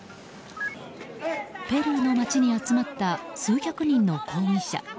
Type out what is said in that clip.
ペルーの街に集まった数百人の抗議者。